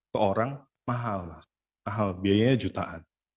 ke orang mahal mas mahal biayanya jutaan